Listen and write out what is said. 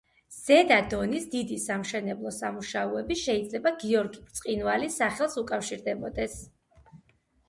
ზედა დონის დიდი სამშენებლო სამუშაოები შეიძლება გიორგი ბრწყინვალის სახელს უკავშირდებოდეს.